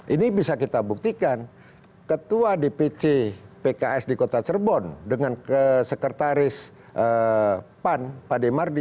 ini bisa kita buktikan ketua dpc pks di kota cerbon dengan sekretaris pan pak demardi